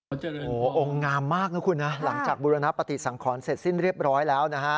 โอ้โหองค์งามมากนะคุณนะหลังจากบุรณปฏิสังขรเสร็จสิ้นเรียบร้อยแล้วนะฮะ